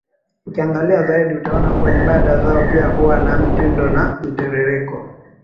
Ukiangalia zaidi utaona kuwa ibada zao pia huwa na mtindo na mtiririko